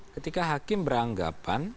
ketika hakim beranggapan